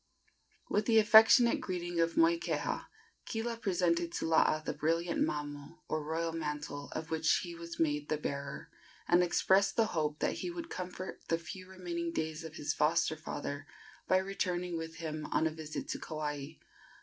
With the affectionate greetings of Moikeha, Kila presented to Laa the brilliant mamo, or royal mantle, of which he was made the bearer, and expressed the hope that he would comfort the few remaining days of his foster father by returning with him on a visit to Kauai.